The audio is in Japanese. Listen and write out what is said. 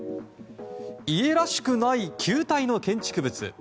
家らしくない球体の建築物。